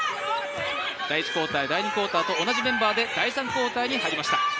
第１クオーターと、第２クオーター同じメンバーで第３クオーターに入りました。